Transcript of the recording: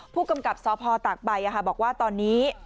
ผู้กำกับสพตากใบบอกว่าตอนนี้